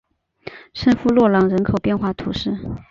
圣夫洛朗人口变化图示